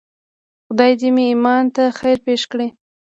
خدای دې مې ایمان ته خیر پېښ کړي.